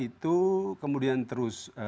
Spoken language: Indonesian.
itu kemudian terus